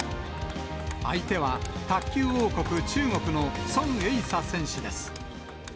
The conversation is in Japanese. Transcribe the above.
相手は、卓球王国、中国の孫穎莎選手です。